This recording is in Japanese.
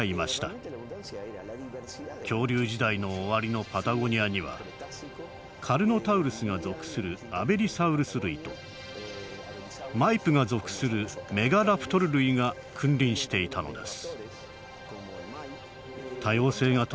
恐竜時代の終わりのパタゴニアにはカルノタウルスが属するアベリサウルス類とマイプが属するメガラプトル類が君臨していたのです。